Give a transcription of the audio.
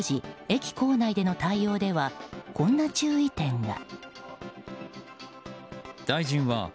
駅構内での対応ではこんな注意点が。